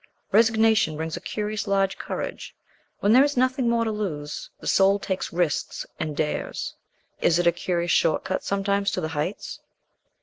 Resignation brings a curious large courage when there is nothing more to lose. The soul takes risks, and dares. Is it a curious short cut sometimes to the heights?